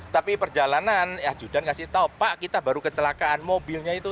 tapi perjalanan ya judan kasih tahu pak kita baru kecelakaan mobilnya itu